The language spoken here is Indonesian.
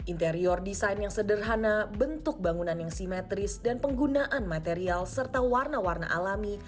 interior desain yang sederhana bentuk bangunan yang simetris dan penggunaan material serta warna warna alami